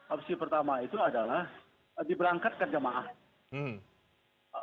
opsi pertama itu adalah diberangkatkan jemaah